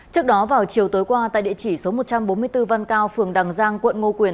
trước đó vào chiều tối qua tại địa chỉ số một trăm bốn mươi bốn văn cao phường đằng giang quận ngô quyền